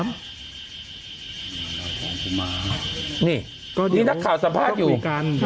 บ้างกูมานี่ก็นี่นักข่าวสัมภาษณ์อยู่การเรียกกัน